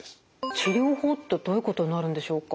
治療法ってどういうことになるんでしょうか？